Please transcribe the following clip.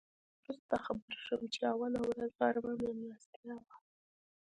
وروسته خبر شوم چې اوله ورځ غرمه میلمستیا وه.